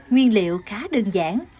nguyên liệu khá đơn giản